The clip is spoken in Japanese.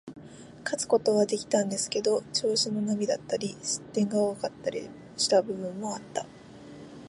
勝つことはできたんですけど、調子の波だったり、失点が多かったりした部分もあった。